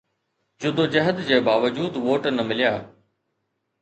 جدوجهد جي باوجود ووٽ نه مليا